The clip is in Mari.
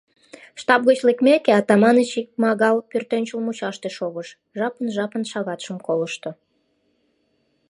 Штаб гыч лекмеке, Атаманыч икмагал пӧртӧнчыл мучаште шогыш, жапын-жапын шагатшым колышто.